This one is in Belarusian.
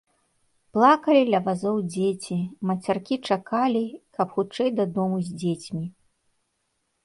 Плакалі ля вазоў дзеці, мацяркі чакалі, каб хутчэй дадому з дзецьмі.